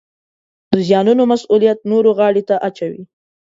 د زیانونو مسوولیت نورو غاړې ته اچوي